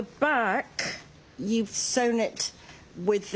はい。